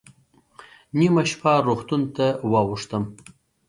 نیمه شپه روغتون ته واوښتم.